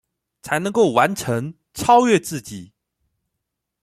才能夠完成、超越自己